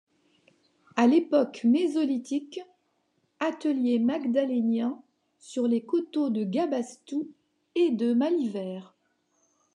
À l’époque mésolithique, atelier magdalénien sur les coteaux de Gabastou et de Malivert.